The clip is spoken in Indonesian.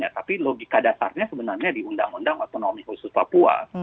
tapi logika dasarnya sebenarnya di undang undang otonomi khusus papua